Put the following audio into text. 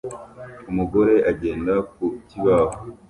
umugore agenda ku kibaho